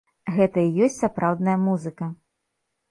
Гэта і ёсць сапраўдная музыка!